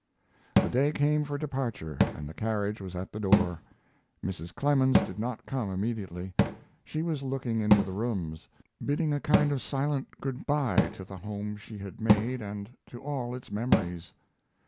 The day came for departure and the carriage was at the door. Mrs. Clemens did not come immediately. She was looking into the rooms, bidding a kind of silent good by to the home she had made and to all its memories.